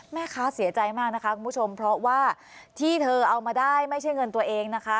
แม่ค้าเสียใจมากนะคะคุณผู้ชมเพราะว่าที่เธอเอามาได้ไม่ใช่เงินตัวเองนะคะ